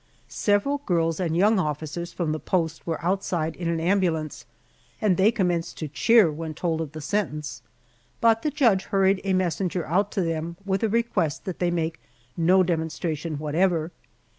Several girls and young officers from the post were outside in an ambulance, and they commenced to cheer when told of the sentence, but the judge hurried a messenger out to them with a request that they make no demonstration whatever.